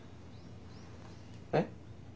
えっ？